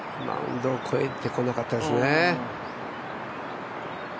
マウンドを越えてこなかったですね。